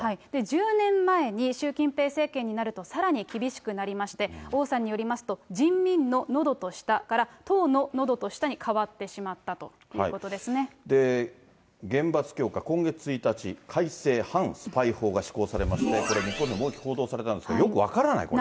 １０年前に習近平政権になるとさらに厳しくなりまして、王さんによりますと、人民ののどと下から党ののどと舌に変わってしまったということで厳罰強化、今月１日、改正反スパイ法が施行されまして、これも報道されたんですけど、よく分からない、これ。